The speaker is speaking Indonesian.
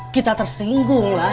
kita tersinggung lah